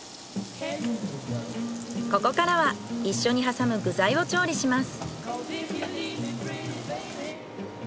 ここからは一緒に挟む具材を調理します。